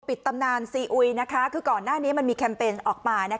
ตำนานซีอุยคือก่อนหน้านี้มันมีแคมเปญออกมา